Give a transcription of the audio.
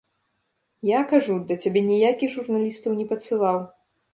Я, кажу, да цябе ніякіх журналістаў не падсылаў.